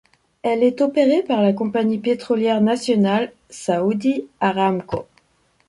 Elle est opérée par la compagnie pétrolière nationale, Saudi Aramco.